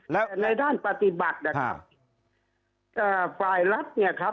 แล้วในด้านปฏิบัตินะครับเอ่อฝ่ายรัฐเนี่ยครับ